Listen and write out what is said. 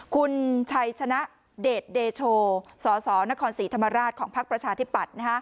คุณชัยชนะเดชเดโชสสนครศรีธรรมราชของภักดิ์ประชาธิปัตย์